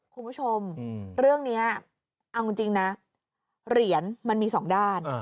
คุณผู้ชมเรื่องนี้เอาจริงนะเหรียญมันมีสองด้าน